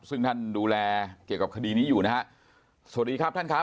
ซึ่งท่านดูแลเกี่ยวกับคดีนี้อยู่นะฮะสวัสดีครับท่านครับ